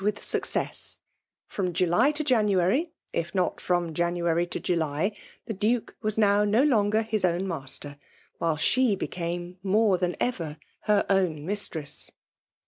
with success : from July to January, if not from January to July, the Duke was now no longer his own master ; while she became more than ever her own mistress.